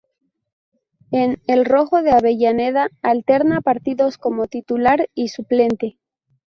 En "el rojo de Avellaneda" alterna partidos como titular y suplente.